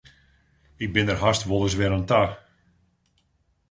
Ik bin der hast wolris wer oan ta.